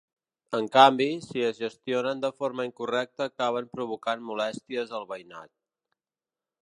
En canvi, si es gestionen de forma incorrecta acaben provocant molèsties al veïnat.